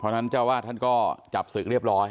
เพราะฉะนั้นเจ้าวาดท่านก็จับศึกเรียบร้อย